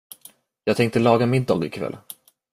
Jag tänkte laga middag i kväll.